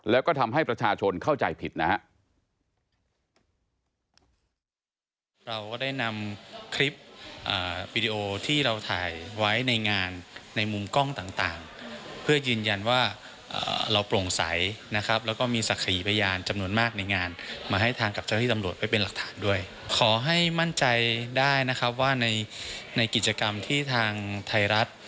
แล้วก็ทำให้ประชาชนเข้าใจผิดนะฮะ